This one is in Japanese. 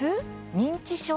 認知症？